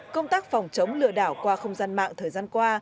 công tác phòng chống lừa đảo qua không gian mạng thời gian qua